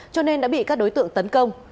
cho nên đã bị các đối tượng tấn công